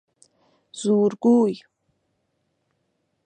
زورگوی